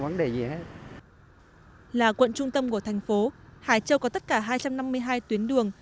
là quận trung tâm của thành phố hải châu có tất cả hai trăm năm mươi hai tuyến đường